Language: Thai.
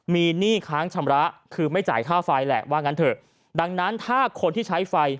มีหนี้ค้างชำระคือไม่จ่ายค่าไฟแหละว่างั้นเถอะดังนั้นถ้าคนที่ใช้ไฟ